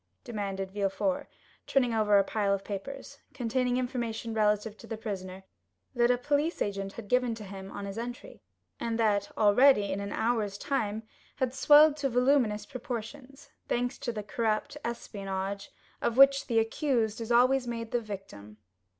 demanded Villefort, turning over a pile of papers, containing information relative to the prisoner, that a police agent had given to him on his entry, and that, already, in an hour's time, had swelled to voluminous proportions, thanks to the corrupt espionage of which "the accused" is always made the victim.